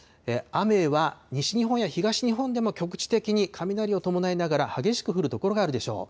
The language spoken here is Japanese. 雨は西日本や東日本でも局地的に雷を伴いながら激しく降る所があるでしょう。